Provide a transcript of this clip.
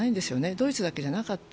ドイツだけじゃなかった。